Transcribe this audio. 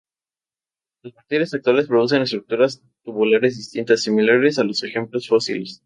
Las bacterias actuales producen estructuras tubulares distintivas, similares a los ejemplos fósiles.